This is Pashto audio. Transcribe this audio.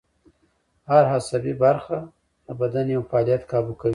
هر عصبي برخه د بدن یو فعالیت کابو کوي